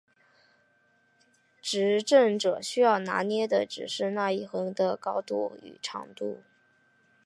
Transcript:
执政者需要拿捏的只是那一横的高度与长度。